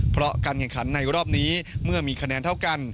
เพราะการแข่งขันในรอบนี้เมื่อมีคะแนนเท่ากัน